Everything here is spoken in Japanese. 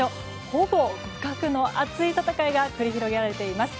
ほぼ互角の熱い戦いが繰り広げられています。